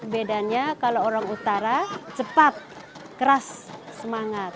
bedanya kalau orang utara cepat keras semangat